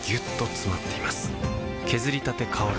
削りたて香る